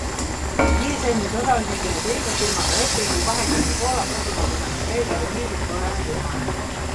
Nii sõlmis osaühing ühe teise firmaga lepingu kahekümne Poolas asuma pidanud treileri müügis tollele firmale.